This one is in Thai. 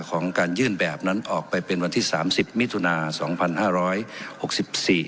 ของการยื่นแบบนั้นออกไปเป็นวันที่สามสิบมิถุนาสองพันห้าร้อยหกสิบสี่